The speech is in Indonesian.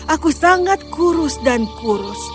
aku sangat kurus dan kurus